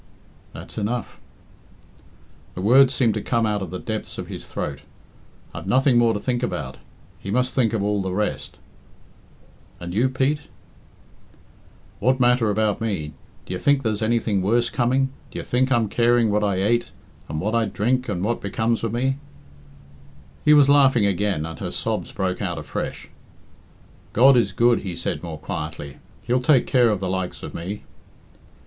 "That's enough." The words seemed to come out of the depths of his throat. "I've nothing more to think about. He must think of all the rest." "And you, Pete?" "What matter about me? D'ye think there's anything worse coming? D'ye think I'm caring what I ate, and what I drink, and what becomes of me?" He was laughing again, and her sobs broke out afresh. "God is good," he said more quietly. "He'll take care of the likes of me."